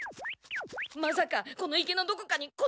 まさかこの池のどこかに小ゼニが？